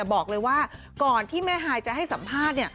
บอกเลยว่าก่อนที่แม่ฮายจะให้สัมภาษณ์